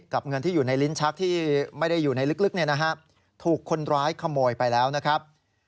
เงินที่อยู่ในลิ้นชักที่ไม่ได้อยู่ในลึกถูกคนร้ายขโมยไปแล้วนะครับ